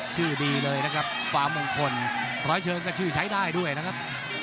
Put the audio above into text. ชื่อดีเลยนะครับฟ้ามงคลร้อยเชิงก็ชื่อใช้ได้ด้วยนะครับ